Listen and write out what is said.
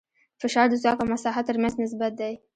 فشار د ځواک او مساحت تر منځ نسبت دی.